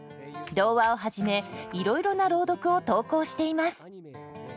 童話をはじめいろいろな朗読を投稿しています。